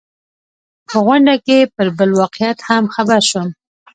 په غونډه کې پر بل واقعیت هم خبر شوم.